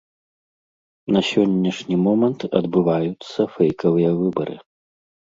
На сённяшні момант адбываюцца фэйкавыя выбары.